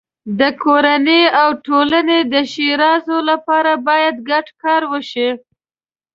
د کورنۍ او ټولنې د ښېرازۍ لپاره باید ګډ کار وشي.